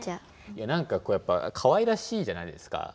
いやなんかやっぱかわいらしいじゃないですか。